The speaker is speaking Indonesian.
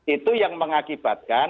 itu yang mengakibatkan